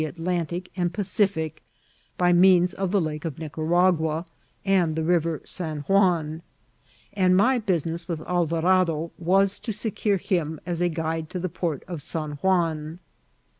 Mt Atlantic and Pacific by means of the' Lake of Nicara* gna and the Rrvei San Juan^ and my bunneas with Al« ▼arado was to secure him as a guide to the p<Hrt of Ban Juan.